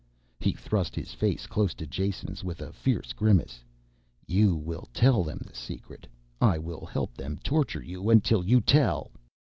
He trust his face close to Jason's with a fierce grimace. "You will tell them the secret. I will help them torture you until you tell."